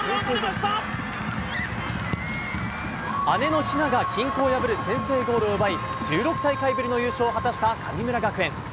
姉の雛が均衡を破る先制ゴールを奪い１６大会ぶりの優勝を果たした神村学園。